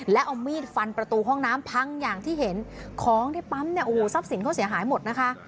แล้วเอามีดฟันประตูห้องน้ำพังอย่างที่เห็นของที่ปั๊มเนี่ยโอ้โหทรัพย์สินเขาเสียหายหมดนะคะ